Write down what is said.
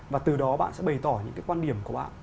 và từ đó bạn sẽ bày tỏ những cái quan điểm của bạn